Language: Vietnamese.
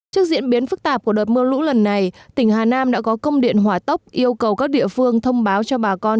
trước diễn biến phức tạp của đợt mưa lũ lần này tỉnh hà nam đã có công điện hỏa tốc yêu cầu các địa phương thông báo cho bà con